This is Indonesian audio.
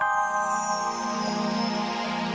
kau alamak nanti